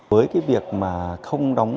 với cái việc mà không đóng